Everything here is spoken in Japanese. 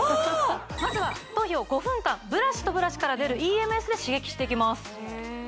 まずは頭皮を５分間ブラシとブラシから出るＥＭＳで刺激していきます